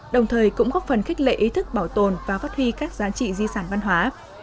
đồng thời cũng góp phần khích lệ ý thức bảo tồn và phát huy các giá trị di sản văn hóa